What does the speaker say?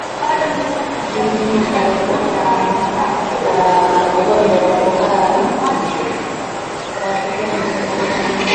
Mnyama aliyekufa kwa ugonjwa wa kuhara hukaukiwa maji mwilini